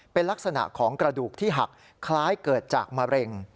เป็นลักษณะของกระดูกที่หักคล้ายเกิดจากมะเร็ง